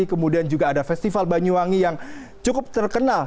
kemudian juga ada festival banyuwangi yang cukup terkenal